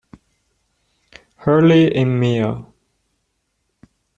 Hurley im Mehr!